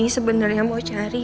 sebenernya mau cari